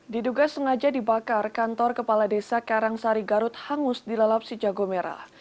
diduga sengaja dibakar kantor kepala desa karangsari garut hangus dilalap si jago merah